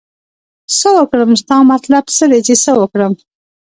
څه وکړم ستا مطلب څه دی چې څه وکړم